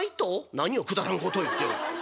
「何をくだらんことを言ってる」。